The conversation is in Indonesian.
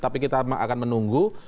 tapi kita akan menunggu